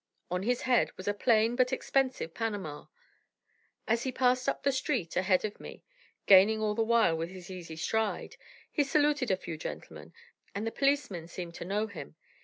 On his head was a plain but expensive Panama. As he passed up the street ahead of me, gaining all the while with his easy stride, he saluted a few gentlemen, and the policemen seemed to know him.